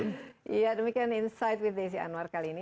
iya demikian insight with desi anwar kali ini